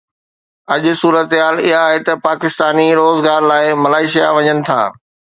اڄ صورتحال اها آهي ته پاڪستاني روزگار لاءِ ملائيشيا وڃن ٿا.